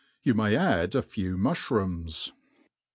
Ypu may add a few muflh rooms.